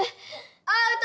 アウト！